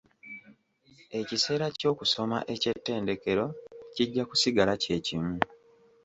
Ekiseera ky'okusoma eky'ettendekero kijja kusigala kye kimu.